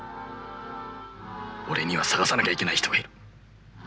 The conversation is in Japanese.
俺には捜さなきゃいけない人がいる。